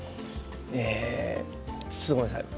ちょっとごめんなさい。